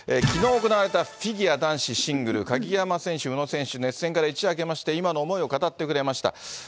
きのう行われたフィギュア男子シングル、鍵山選手、宇野選手、熱戦から一夜明けまして、今の思いを語ってくれました。